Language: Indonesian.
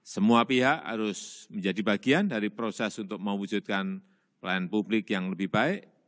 semua pihak harus menjadi bagian dari proses untuk mewujudkan pelayanan publik yang lebih baik